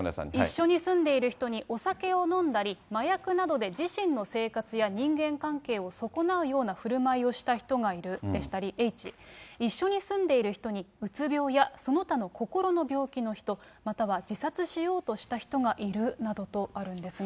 一緒に住んでいる人にお酒を飲んだり、麻薬などで自身の生活や人間関係を損なうようなふるまいをした人がいるでしたり、ｈ、一緒に住んでいる人にうつ病やその他の心の病気の人、または自殺しようとした人がいるなどとあるんですね。